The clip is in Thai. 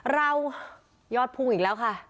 เรายอดพุ่งอีกแล้วค่ะ